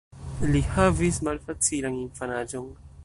Li havis malfacilan infanaĝon.